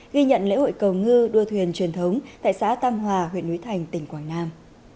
ghi nhận lễ hội cầu ngư đua thuyền truyền thống tại xã tam hòa huyện núi thành tỉnh quảng nam